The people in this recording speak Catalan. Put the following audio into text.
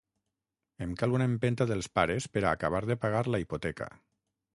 Em cal una empenta dels pares per a acabar de pagar la hipoteca.